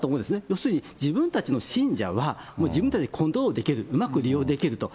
要するに自分たちの信者は、自分たちでコントロールできる、うまく利用できると。